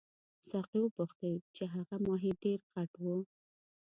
ساقي وپوښتل چې هغه ماهي ډېر غټ وو.